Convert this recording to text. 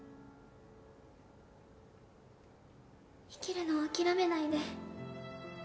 生きるのを諦めないで。